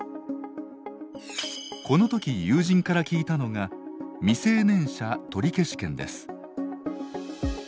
この時友人から聞いたのが未成年者取消権です。